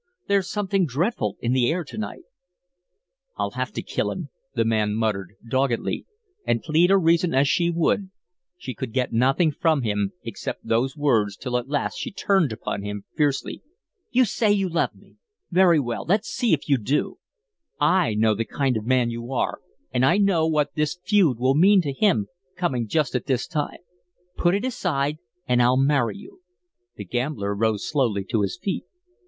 There's something dreadful in the air to night " "I'll have to kill him," the man muttered, doggedly, and, plead or reason as she would, she could get nothing from him except those words, till at last she turned upon him fiercely. "You say you love me. Very well let's see if you do. I know the kind of a man you are and I know what this feud will mean to him, coming just at this time. Put it aside and I'll marry you." The gambler rose slowly to his feet.